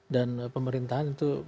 dan pemerintahan itu